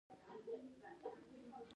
د کندهار په دامان کې د سمنټو مواد شته.